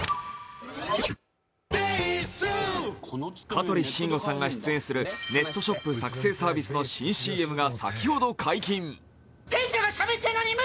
香取慎吾さんが出演するネットショップ作成サービスの新ＣＭが先ほど解禁。